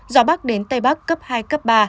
gió bắc đến tây bắc cấp hai cấp ba